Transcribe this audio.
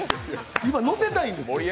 今、乗せたいんです！